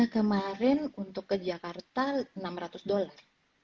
kemarin untuk ke jakarta enam ratus dolar